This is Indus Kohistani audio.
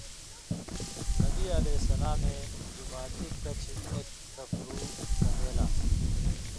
نبی علیہ السلامے جُماتھی کَچھ اک څپرُو سن٘دېلان٘س